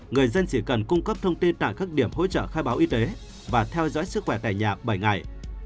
người dân chỉ cần cung cấp thông tin tại các điểm hỗ trợ khai báo y tế và theo dõi sức khỏe tại nhà bảy ngày